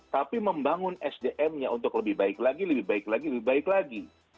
tapi membangun sdm nya untuk lebih baik lagi lebih baik lagi lebih baik lagi